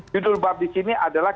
judul bab di sini adalah